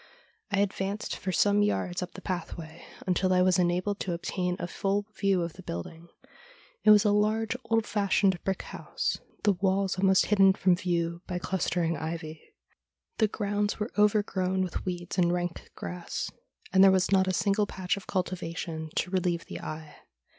I advanced for some yards up the pathway until I was enabled to obtain a full view of the building. It was a large, old fashioned brick house, the walls almost hidden from view by clustering ivy. The grounds were overgrown with weeds and rank grass, and there was not a single patch of cultivation to relieve the eye.